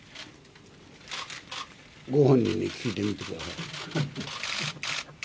ご本人に聞いてみてください。